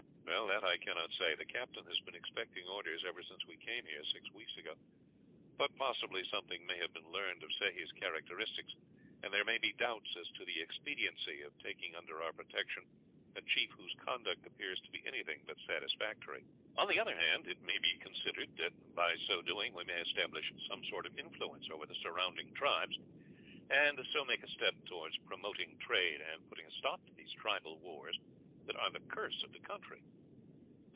"That I cannot say. The Captain has been expecting orders ever since we came here, six weeks ago; but possibly something may have been learned of Sehi's characteristics, and there may be doubts as to the expediency of taking under our protection a chief whose conduct appears to be anything but satisfactory. On the other hand, it may be considered that by so doing we may establish some sort of influence over the surrounding tribes, and so make a step towards promoting trade and putting a stop to these tribal wars, that are the curse of the country."